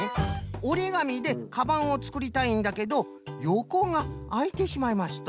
おりがみでかばんをつくりたいんだけどよこがあいてしまいますと。